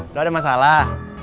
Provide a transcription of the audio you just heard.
udah ada masalah